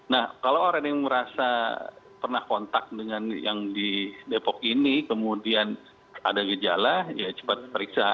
nah kalau orang yang merasa pernah kontak dengan yang di depok ini kemudian ada gejala ya cepat periksa